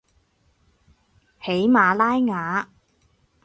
喜马拉雅